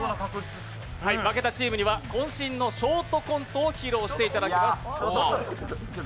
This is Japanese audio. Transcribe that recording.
負けたチームにはこん身のショートコントを披露していただきます。